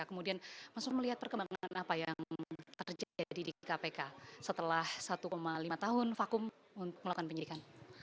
kemudian mas nur melihat perkembangan apa yang terjadi di kpk setelah satu lima tahun vakum melakukan penyidikan